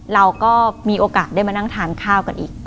เราก็มีโอกาสได้มานั่งทานข้าวกันอีก